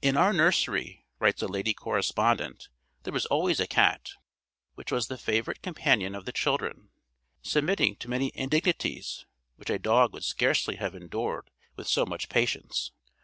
"In our nursery," writes a lady correspondent, "there was always a cat, which was the favourite companion of the children, submitting to many indignities which a dog would scarcely have endured with so much patience.